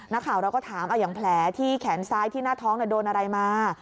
นักข่าวเราก็ถามอย่างแผลที่แขนซ้ายที่หน้าท้องโดนอะไรมา